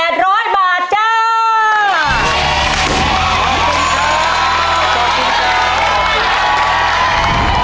ขอบคุณครับ